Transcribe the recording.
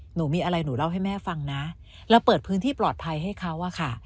หนูมีอะไรหนูเล่าให้แม่ฟังนะเราเปิดพื้นที่ปลอดภัยให้เขาอะค่ะ